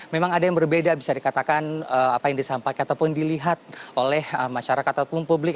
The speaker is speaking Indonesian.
memang ada yang berbeda bisa dikatakan apa yang disampaikan ataupun dilihat oleh masyarakat ataupun publik